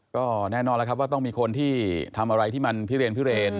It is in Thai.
ก็แน่นอนแล้วครับว่าต้องมีคนที่ทำอะไรที่มันพิเรนพิเรน